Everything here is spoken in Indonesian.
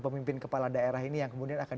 pemimpin kepala daerah ini yang kemudian akan